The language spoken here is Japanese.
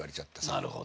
なるほど。